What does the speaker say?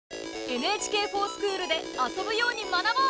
「ＮＨＫｆｏｒＳｃｈｏｏｌ」で遊ぶように学ぼう！